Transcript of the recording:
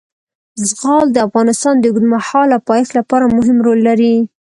زغال د افغانستان د اوږدمهاله پایښت لپاره مهم رول لري.